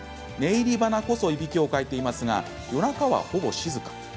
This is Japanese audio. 寝入りばなこそいびきをかいていますが夜中は、ほぼ静か。